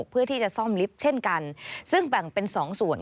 เพื่อที่จะซ่อมลิฟท์เช่นกันซึ่งแบ่งเป็น๒ส่วน